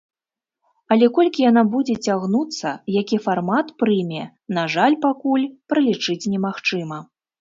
Але колькі яна будзе цягнуцца, які фармат прыме, на жаль, пакуль пралічыць немагчыма.